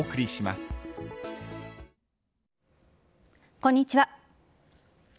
こんにちは。